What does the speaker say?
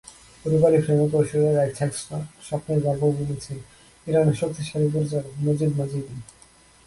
রুপালি ফ্রেমে কৈশোরের একঝাঁক স্বপ্নের গল্প বুনেছেন ইরানের শক্তিশালী পরিচালক মজিদ মাজিদি।